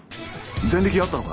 前歴があったのか？